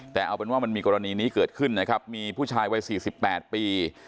แต่เอาเป็นว่ามันมีกรณีนี้เกิดขึ้นนะครับมีผู้ชายวัย๔๘ปี